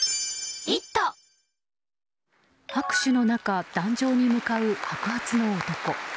拍手の中、壇上に向かう白髪の男。